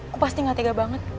aku pasti gak tega banget